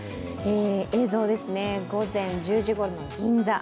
映像ですが、午前１０時ごろの銀座。